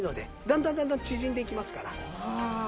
だんだんだんだん縮んでいきますから。